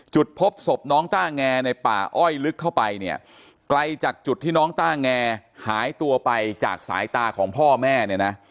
จุดพบศพน้องต้าแงในป่าอ้อยลึกเข้าไปเนี่ยไกลจากจุดที่น้องต้าแงหายตัวไปจากสายตาของพ่อแม่เนี่ยนะ